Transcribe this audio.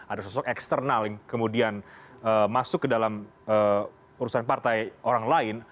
ada sosok eksternal yang kemudian masuk ke dalam urusan partai orang lain